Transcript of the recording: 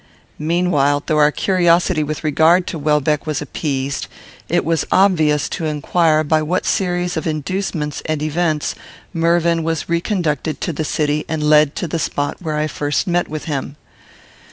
Meanwhile, though our curiosity with regard to Welbeck was appeased, it was obvious to inquire by what series of inducements and events Mervyn was reconducted to the city and led to the spot where I first met with him.